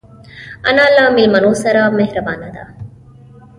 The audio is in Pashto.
انا له مېلمنو سره مهربانه ده